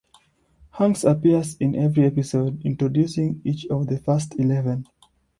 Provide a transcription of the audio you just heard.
Hanks appears in every episode, introducing each of the first eleven.